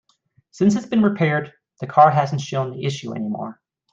Since it's been repaired, the car hasn't shown the issue any more.